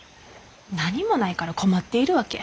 何もないから困っているわけ。